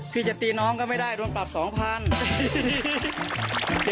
พี่จะตีน้องก็ไม่ได้โดนปรับ๒๐๐บาท